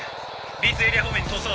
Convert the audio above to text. Ｂ２エリア方面に逃走。